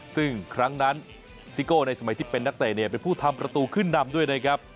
ซึ่งครั้งนั้นซิโก้ในสมัยที่เป็นนักเตะเนี่ยเป็นผู้ทำประตูขึ้นนำด้วยนะครับ